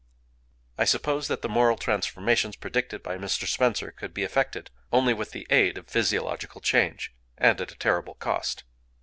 I suppose that the moral transformations predicted by Mr. Spencer, could be effected only with the aid of physiological change, and at a terrible cost.